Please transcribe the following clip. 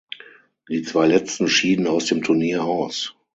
Die zwei Letzten schieden aus dem Turnier aus.